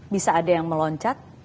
bisa ada yang meloncat